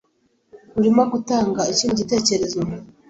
Urimo gutanga ikindi gitekerezo?